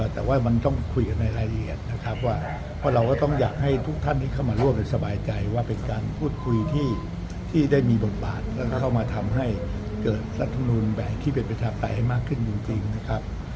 แต่ว่ามันต้องคุยกันในรายละเอียดนะครับว่าเพราะเราก็ต้องอยากให้ทุกท่านที่เข้ามาร่วมสบายใจว่าเป็นการพูดคุยที่ได้มีบทบาทแล้วก็เข้ามาทำให้เกิดรัฐมนูลแบบที่เป็นประชาปไตยให้มากขึ้นจริงนะครับ